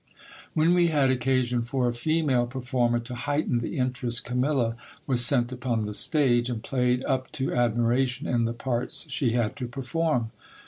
When we had occasion for a female performer to heighten the interest, Camilla was sent upon the stage, and played up to admiration in the parts she had to perform.